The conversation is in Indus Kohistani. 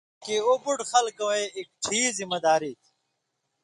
بلکےۡ اُو بُٹہۡ خلقئیں اکھٹی ذمہ واری تھی ،